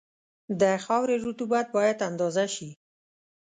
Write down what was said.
د خاورې رطوبت باید اندازه شي